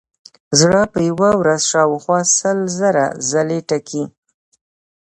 زړه په یوه ورځ شاوخوا سل زره ځلې ټکي.